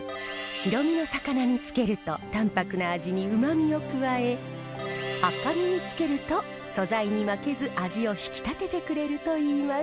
白身の魚につけると淡泊な味にうまみを加え赤身につけると素材に負けず味を引き立ててくれるといいます。